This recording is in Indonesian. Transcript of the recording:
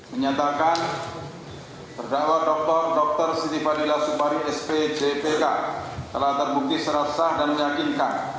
menyatakan perdakwa dokter siti fadila supari spjpk telah terbukti serasa dan meyakinkan